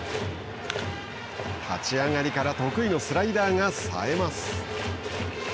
立ち上がりから得意のスライダーがさえます。